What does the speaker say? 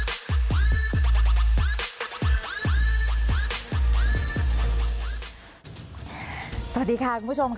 รัฐบาลนี้ใช้วิธีปล่อยให้จนมา๔ปีปีที่๕ค่อยมาแจกเงิน